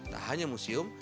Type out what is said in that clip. tak hanya museum